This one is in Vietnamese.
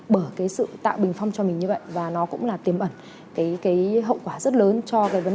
bởi cái sự tạo bình phong cho mình như vậy và nó cũng là tiềm ẩn cái hậu quả rất lớn cho cái vấn đề